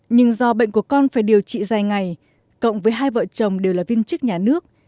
nhưng do bệnh của con phải điều trị dài ngày cộng với hai vợ chồng đều là viên chức nhà nước